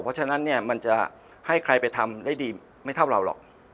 เพราะฉะนั้นเนี่ยมันจะให้ใครไปทำได้ดีไม่เท่าเราหรอก